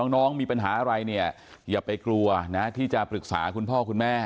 น้องมีปัญหาอะไรเนี่ยอย่าไปกลัวนะที่จะปรึกษาคุณพ่อคุณแม่